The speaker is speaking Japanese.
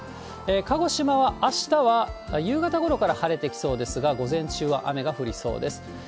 鹿児島はあしたは、夕方ごろから晴れてきそうですが、午前中は雨が降りそうです。